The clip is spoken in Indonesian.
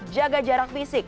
jaga jarak fisik